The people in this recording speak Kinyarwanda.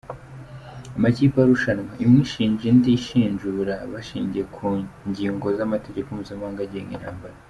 Amakipe arushanwa imwe ishinja indi ishinjura, bashingiye ku ngingo z’amategeko mpuzamahanga agenga intambara.